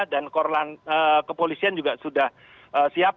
dan kepolisian juga sudah siap